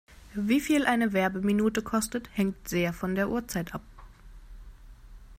Wie viel eine Werbeminute kostet, hängt sehr von der Uhrzeit ab.